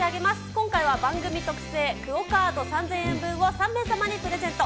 今回は番組特製ＱＵＯカード３０００円分を３名様にプレゼント。